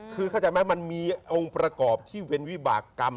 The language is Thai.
คือเข้าใจไหมมันมีองค์ประกอบที่เป็นวิบากรรม